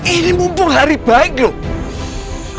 ini mumpung hari baik lho